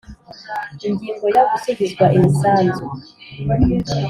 Ingingo ya gusubizwa imisanzu